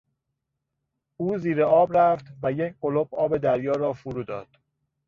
او زیر آب رفت و یک قلپ آب دریا را فرو داد.